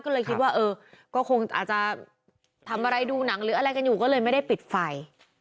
ก็เลยคิดว่าเออก็คงอาจจะทำอะไรดูหนังหรืออะไรกันอยู่ก็เลยไม่ได้ปิดไฟ